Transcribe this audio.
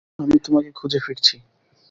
আমি তোমাকে খুঁজে ফিরছি।